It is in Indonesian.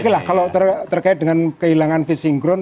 oke lah kalau terkait dengan kehilangan fishing ground